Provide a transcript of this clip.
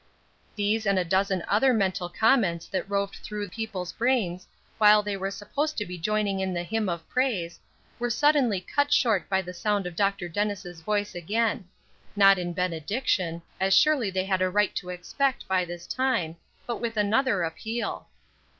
These and a dozen other mental comments that roved through people's brains, while they were supposed to be joining in the hymn of praise, were suddenly cut short by the sound of Dr. Dennis' voice again not in benediction, as surely they had a right to expect by this time, but with another appeal.